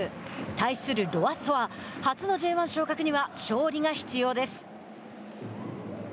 対するロアッソは初のＪ１昇格には勝利が必要です。